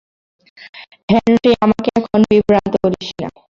Henry, আমাকে এখন বিভ্রান্ত করিস না।